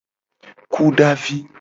Kudavi.